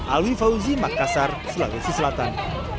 alwi fauzi makassar sulawesi selatan